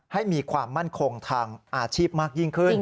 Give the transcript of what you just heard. ให้มีความมั่นคงทางอาชีพมากยิ่งขึ้น